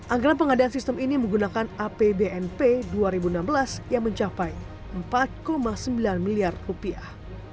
anggaran pengadaan sistem ini menggunakan apbnp dua ribu enam belas yang mencapai empat sembilan miliar rupiah